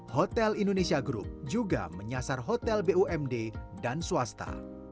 hotel indonesia group juga menyasar hotel bumd dan swasta